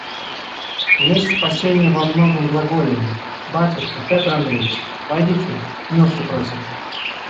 Несть спасения во многом глаголании. Батюшка Петр Андреич! войдите, милости просим.